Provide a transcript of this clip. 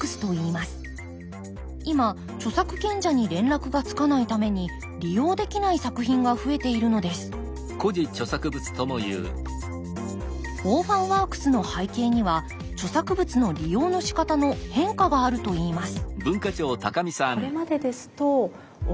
今著作権者に連絡がつかないために利用できない作品が増えているのですオーファンワークスの背景には著作物の利用のしかたの変化があるといいます